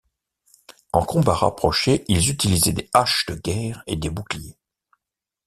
En combat rapproché, ils utilisaient des haches de guerre et des boucliers.